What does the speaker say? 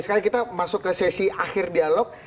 sekarang kita masuk ke sesi akhir dialog